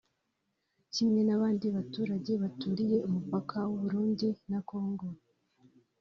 Kimwe n’abandi baturage baturiye umupaka w’u Burundi na Congo